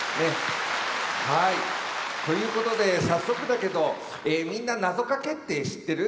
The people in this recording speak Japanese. ということで早速だけどみんななぞかけって知ってる？